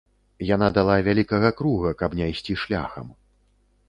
Яна дала вялікага круга, каб не ісці шляхам.